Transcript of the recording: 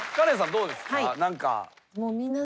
どうですか？